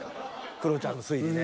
クロちゃんの推理ね。